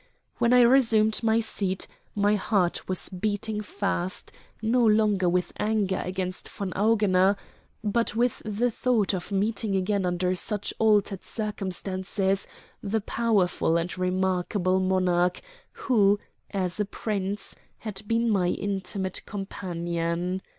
When I resumed my seat my heart was beating fast, no longer with anger against von Augener, but with the thought of meeting again under such altered circumstances the powerful and remarkable monarch who, as a Prince, had been my intimate companion.